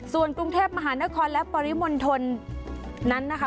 ส่วนกรุงเทพมหานครและปริมณฑลนั้นนะคะ